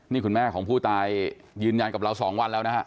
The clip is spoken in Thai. นี่คุณแม่ของผู้ตายยืนยันกับเรา๒วันแล้วนะฮะ